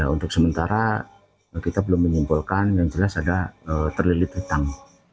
untuk sementara kita belum menyimpulkan yang jelas ada terlilit hutang